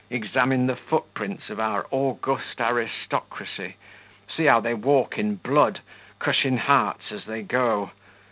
Examine the footprints of our august aristocracy; see how they walk in blood, crushing hearts as they go.